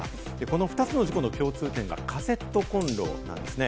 この２つの事故の共通点がカセットコンロなんですね。